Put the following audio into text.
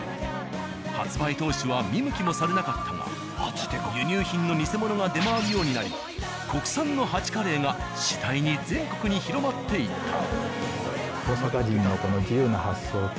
発売当初は見向きもされなかったが輸入品の偽物が出回るようになり国産の蜂カレーが次第に全国に広まっていった。